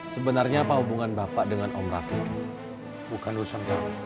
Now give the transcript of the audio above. sebenarnya perhubungan bapak dengan om raffi bukan urusan kamu